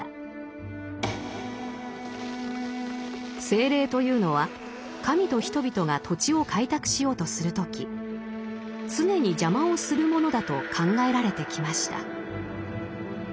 精霊というのは神と人々が土地を開拓しようとする時常に邪魔をするものだと考えられてきました。